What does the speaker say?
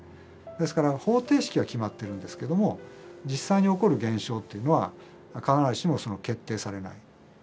ですから方程式は決まってるんですけども実際に起こる現象というのは必ずしも決定されない。